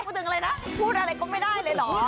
พูดถึงอะไรนะพูดอะไรก็ไม่ได้เลยเหรอ